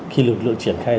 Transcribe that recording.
khi lực lượng triển khai